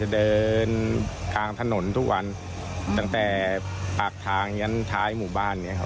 เดินทางถนนทุกวันตั้งแต่ปากทางยั้นท้ายหมู่บ้านเนี่ยครับ